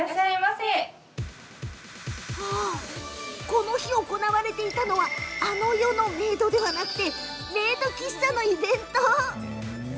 この日、行われていたのはあの世の「冥土」ではなくてメイド喫茶のイベント。